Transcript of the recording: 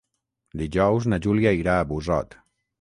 Dijous na Júlia irà a Busot.